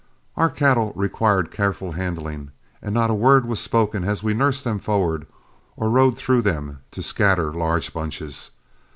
Our cattle required careful handling, and not a word was spoken as we nursed them forward, or rode through them to scatter large bunches.